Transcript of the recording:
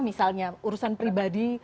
misalnya urusan pribadi